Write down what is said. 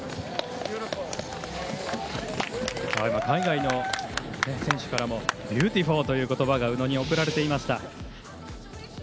海外の選手からもビューティフルという言葉が宇野に送られていました。